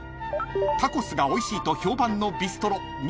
［タコスがおいしいと評判のビストロ２３